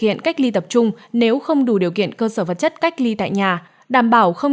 hiện cách ly tập trung nếu không đủ điều kiện cơ sở vật chất cách ly tại nhà đảm bảo không